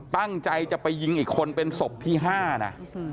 ตั้งใจจะไปยิงอีกคนเป็นศพที่๕นะ